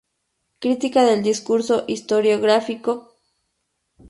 Crítica del discurso historiográfico.